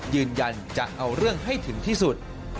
ยืนยันจะเอาเรื่องให้ถึงที่สุด